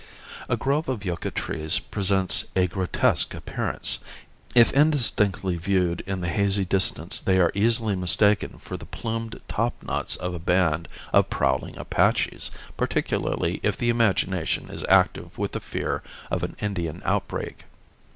A grove of yucca trees presents a grotesque appearance. If indistinctly viewed in the hazy distance they are easily mistaken for the plumed topknots of a band of prowling Apaches, particularly if the imagination is active with the fear of an Indian outbreak.